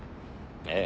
ええ。